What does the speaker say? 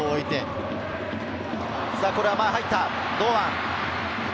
これは前に入った、堂安。